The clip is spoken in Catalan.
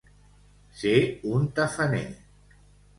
Ser un tafaner.